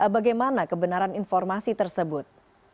bagaimana kebenaran informasi tersebut